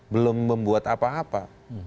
belum membuat apa apa